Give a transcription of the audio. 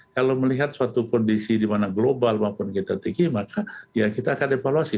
kalau melihat suatu kondisi di mana global maupun kita tinggi maka ya kita akan evaluasi